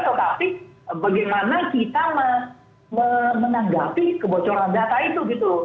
tetapi bagaimana kita menanggapi kebocoran data itu gitu